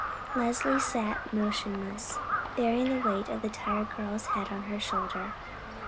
Leslie sat motionless, bearing the weight of the tired girl's head on her shoulder.